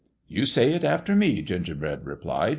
" You say it after me," Gingerbread replied.